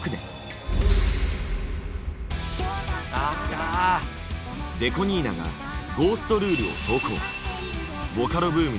ＤＥＣＯ２７が「ゴーストルール」を投稿。